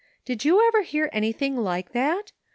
Did you ever hear anything like that?